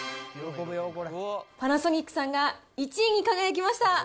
パナソニックさんが１位に輝きました。